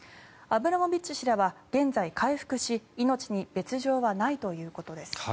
アブラモビッチ氏らは現在、回復し命に別条はないということです。